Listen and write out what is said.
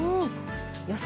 予想